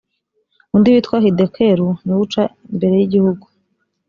undi witwa hidekelu ni wo uca imbere y igihugu